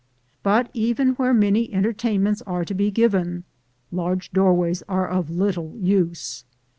But even where many entertainments are to be given large doorways are of little use.